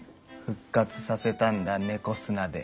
復活させたんだ猫砂で。